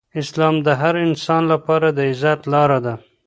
اسلام د هر انسان لپاره د عزت لاره ده.